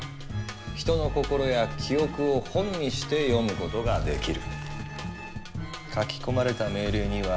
人の心や記憶を「本」にして読むことができる。